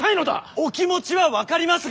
お気持ちは分かりますが。